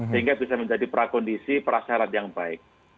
sehingga bisa menjadi prakondisi prasyarat yang baik